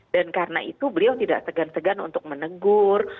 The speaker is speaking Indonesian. dan karena itu beliau tidak segan segan untuk menegur